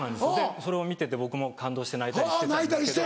それを見てて僕も感動して泣いたりしてたんですけど。